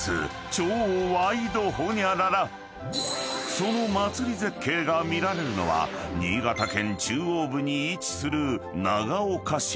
［その祭り絶景が見られるのは新潟県中央部に位置する］